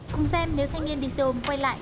cùng xem nếu thay nhiên đi xe ôm quay lại